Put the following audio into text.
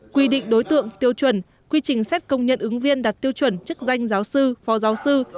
quy định đối tượng tiêu chuẩn quy trình xét công nhận ứng viên đạt tiêu chuẩn chức danh giáo sư phó giáo sư